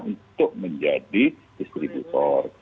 untuk menjadi distributor